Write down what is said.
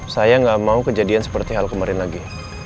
saya nggak mau kejadian seperti hal kemarin lagi